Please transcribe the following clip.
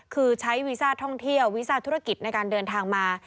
คือใช้วีซ่าท่องเที่ยววีซ่าธุรกิจในการเดินทางมา